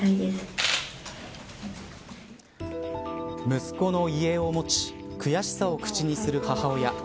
息子の遺影を持ち悔しさを口にする母親。